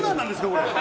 これ。